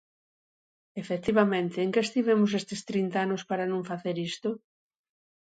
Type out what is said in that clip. Efectivamente, ¿en que estivemos estes trinta anos para non facer isto?